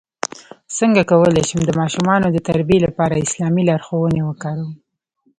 څنګه کولی شم د ماشومانو د تربیې لپاره اسلامي لارښوونې وکاروم